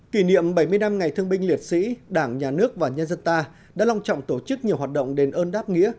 kỷ niệm bảy mươi năm ngày thương binh liệt sĩ đảng nhà nước và nhân dân ta đã long trọng tổ chức nhiều hoạt động đền ơn đáp nghĩa